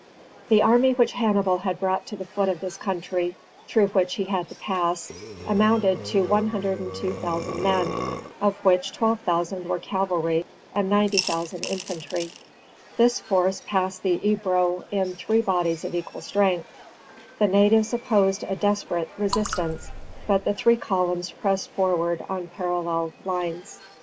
The army which Hannibal had brought to the foot of this country through which he had to pass, amounted to 102,000 men, of which 12,000 were cavalry and 90,000 infantry. This force passed the Ebro in three bodies of equal strength. The natives opposed a desperate resistance, but the three columns pressed forward on parallel lines.